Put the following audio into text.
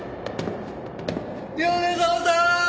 米沢さーん！